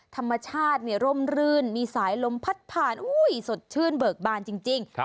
ธรรมชาติร่มรื่นมีสายลมพัดผ่านสดชื่นเบิกบานจริง